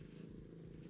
bener juga ya